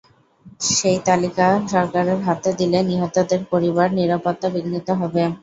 কিন্তু সেই তালিকা সরকারের হাতে দিলে নিহতদের পরিবারের নিরাপত্তা বিঘ্নিত হবে।